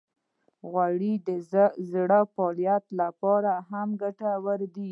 غوړې د زړه د فعالیت لپاره هم ګټورې دي.